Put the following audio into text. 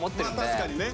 確かにね！